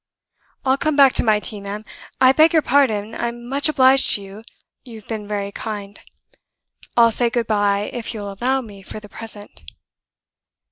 I'll come back to my tea, ma'am. I beg your pardon, I'm much obliged to you, you've been very kind I'll say good by, if you'll allow me, for the present."